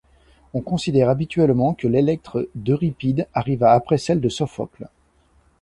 On considère habituellement que l'Electre d'Euripide arriva après celle de Sophocle.